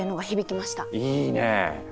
いいねえ！